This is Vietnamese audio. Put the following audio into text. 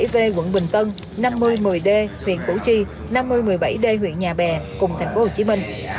năm mươi bảy d quận bình tân năm mươi một mươi d huyện củ chi năm mươi một mươi bảy d huyện nhà bè cùng tp hcm